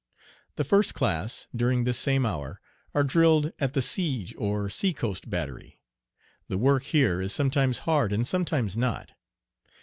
The first class, during this same hour, are drilled at the siege or seacoast battery. The work here is sometimes hard and sometimes not.